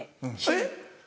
えっ？